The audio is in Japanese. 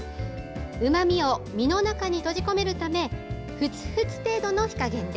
うまみを身の中に閉じ込めるためふつふつ程度の火加減で。